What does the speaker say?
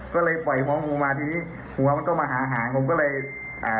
ก็เลยปล่อยฟ้องงูมาทีนี้หัวมันก็มาหาหางผมก็เลยอ่า